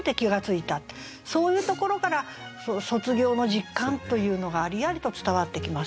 そういうところから卒業の実感というのがありありと伝わってきますよね。